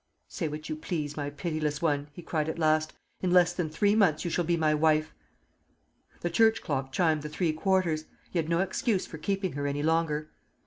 "Say what you please, my pitiless one," he cried at last; "in less than three months you shall be my wife!" The church clock chimed the three quarters. He had no excuse for keeping her any longer.